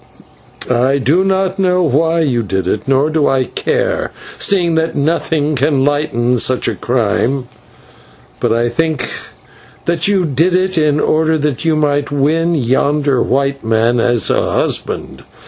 "I do not know why you did it, nor do I care, seeing that nothing can lighten such a crime; but I think that you did it in order that you might win yonder white man as a husband.